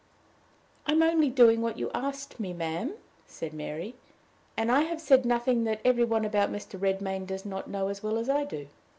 "I am only doing what you asked me, ma'am," said Mary. "And I have said nothing that every one about Mr. Redmain does not know as well as I do."